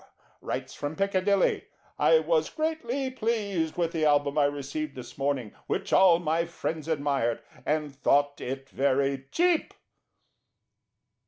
writes from Piccadilly: "I was greatly pleased with the Album I received this morning, which all my friends admired, and thought it very cheap."